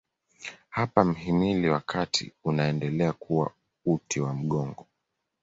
Hapa mhimili wa kati unaendelea kuwa uti wa mgongo.